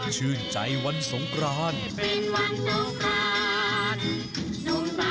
สวัสดีครับ